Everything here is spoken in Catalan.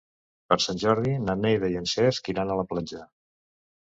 Per Sant Jordi na Neida i en Cesc iran a la platja.